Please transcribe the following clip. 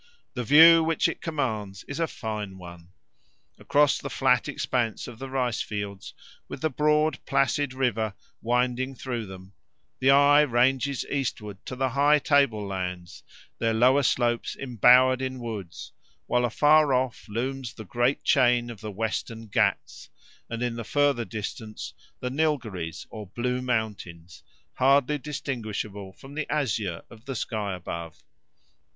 The view which it commands is a fine one. Across the flat expanse of the rice fields, with the broad placid river winding through them, the eye ranges eastward to high tablelands, their lower slopes embowered in woods, while afar off looms the great chain of the western Ghauts, and in the furthest distance the Neilgherries or Blue Mountains, hardly distinguishable from the azure of the sky above.